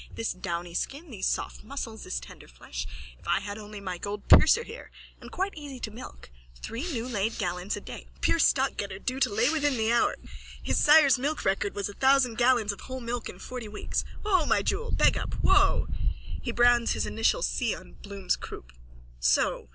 This downy skin, these soft muscles, this tender flesh. If I had only my gold piercer here! And quite easy to milk. Three newlaid gallons a day. A pure stockgetter, due to lay within the hour. His sire's milk record was a thousand gallons of whole milk in forty weeks. Whoa, my jewel! Beg up! Whoa! (He brands his initial C on Bloom's croup.) So!